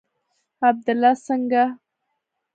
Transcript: عبدالله څنگه.